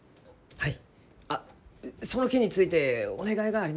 はい。